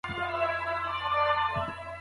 د حقايقو کشف د هر ساینس پوه دنده ده.